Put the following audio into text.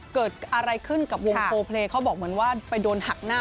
เกิดอะไรขึ้นกับวงโพลเพลย์เขาบอกเหมือนว่าไปโดนหักหน้า